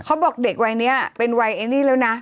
เขาบอกเด็กวัยนี้เป็นไวเอนี่แล้วนะ